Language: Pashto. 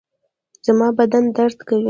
زما بدن درد کوي